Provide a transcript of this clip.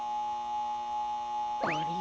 あれ？